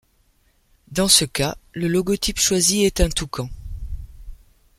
Dans ce cas, le logotype choisit est un Toucan.